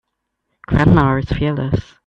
Grandma is fearless.